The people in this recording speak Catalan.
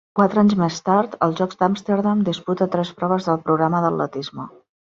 Quatre anys més tard, als Jocs d'Amsterdam, disputa tres proves del programa d'atletisme.